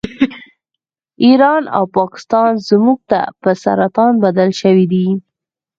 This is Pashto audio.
ایران او پاکستان موږ ته په سرطان بدل شوي دي